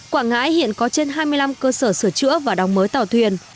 quảng ngãi hiện có trên hai mươi năm cơ sở sửa chữa và đóng mới tàu thuyền